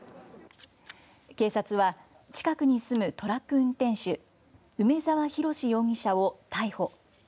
警察は、近くに住むトラック運転手梅澤洋容疑者を逮捕。